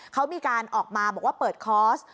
เขามีการออกมาเบอร์ดคอร์ส